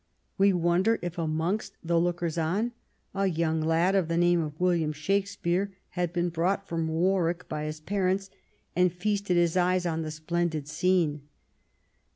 We wonder if, amongst the lookers on, a young lad of the name of William Shakespeare had been brought from Warwick by his parents and feasted his eyes on the splendid scene.